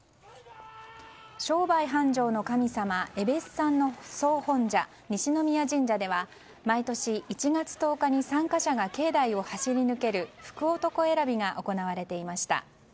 商売繁盛の神様えべっさんの総本社西宮神社では毎年１月１０日に参加者が境内を走り抜ける福男選びが行われていました。